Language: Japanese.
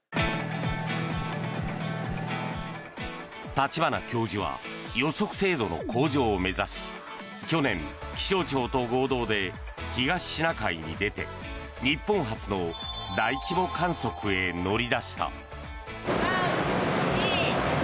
立花教授は予測精度の向上を目指し去年、気象庁と合同で東シナ海に出て日本初の大規模観測へ乗り出した。